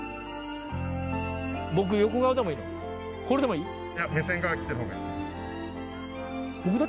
これでもいい？